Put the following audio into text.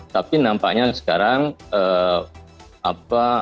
tapi nampaknya sekarang apa